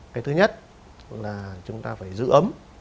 cái thứ nhất là chúng ta phải giữ ấm